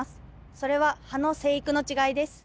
それは葉の生育の違いです。